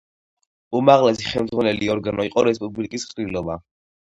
უმაღლესი ხელმძღვანელი ორგანო იყო რესპუბლიკის ყრილობა.